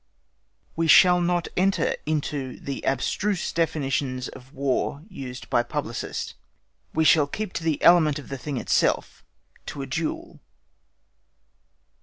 We shall not enter into any of the abstruse definitions of War used by publicists. We shall keep to the element of the thing itself, to a duel.